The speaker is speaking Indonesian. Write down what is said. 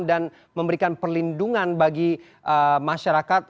dan memberikan perlindungan bagi masyarakat